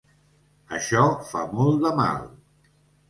Això fa molt de mal.